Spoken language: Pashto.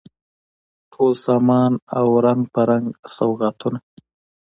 ټول سامان او رنګ په رنګ سوغاتونه